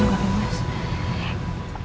kaki aku agak sedikit keren kali mas